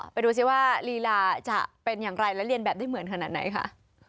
ไปดูซิว่าลีลาจะเป็นอย่างไรและเรียนแบบได้เหมือนขนาดไหนคะ